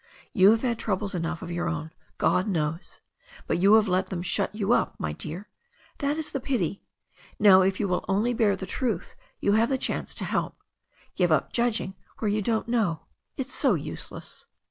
You have had troubles enough of your own, God knows. But you have let them shut you up, my dear. That is the pity. Now, if you will only bear the truth, you have the chance to help. Give up judging where you don't know. It's so useless."